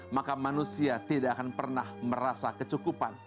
maka manusia tidak akan pernah merasa kecukupan